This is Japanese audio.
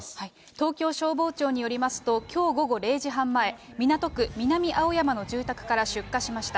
東京消防庁によりますと、きょう午後０時半前、港区南青山の住宅から出火しました。